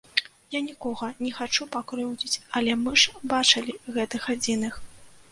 Я нікога не хачу пакрыўдзіць, але мы ж бачылі гэтых адзіных.